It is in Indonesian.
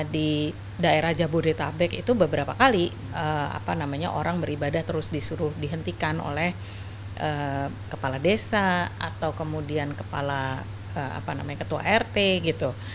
di daerah jabodetabek itu beberapa kali orang beribadah terus disuruh dihentikan oleh kepala desa atau kemudian kepala ketua rt gitu